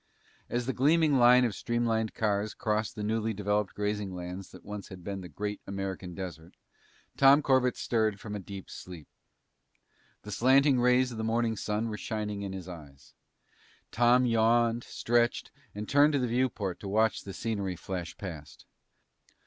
As the gleaming line of streamlined cars crossed the newly developed grazing lands that had once been the great American desert, Tom Corbett stirred from a deep sleep. The slanting rays of the morning sun were shining in his eyes. Tom yawned, stretched, and turned to the viewport to watch the scenery flash past.